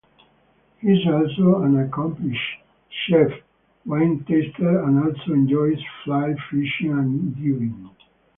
He is also an accomplished chef, winetaster, and also enjoys fly-fishing and diving.